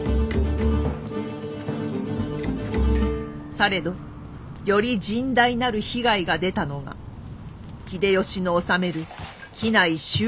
されどより甚大なる被害が出たのが秀吉の治める畿内周辺でございました。